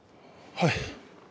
はい。